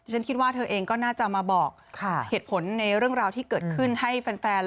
ฉันคิดว่าเธอเองก็น่าจะมาบอกเหตุผลในเรื่องราวที่เกิดขึ้นให้แฟน